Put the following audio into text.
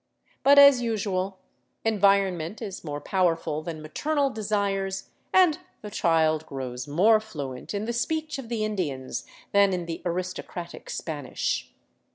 But as usual, environment is more powerful than maternal desires, and the child grows more fluent in the speech of the Indians than in the aristocratic Spanish.